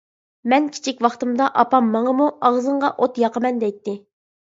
مەن كىچىك ۋاقتىمدا ئاپام ماڭىمۇ: «ئاغزىڭغا ئوت ياقىمەن» دەيتتى.